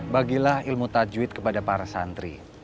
bagilah ilmu tajwid kepada para santri